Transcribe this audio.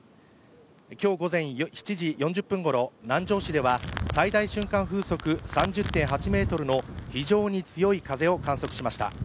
今日午前７時４０分ごろ、南城市では最大瞬間風速３０．８メートルの非常に強い風を観測しました。